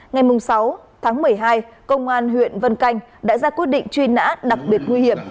ngày sáu tháng một mươi hai công an huyện vân canh đã ra quyết định truy nã đặc biệt nguy hiểm